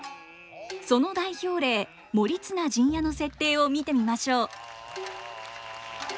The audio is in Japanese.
その代表例「盛綱陣屋」の設定を見てみましょう。